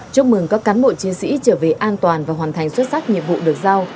chúc mừng các cán bộ chiến sĩ trở về an toàn và hoàn thành xuất sắc nhiệm vụ được giao